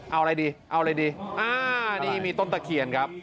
เอาอะไรดีเอาอะไรดีอ่านี่มีต้นตะเคียนครับ